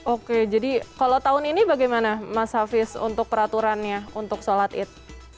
oke jadi kalau tahun ini bagaimana mas hafiz untuk peraturannya untuk sholat id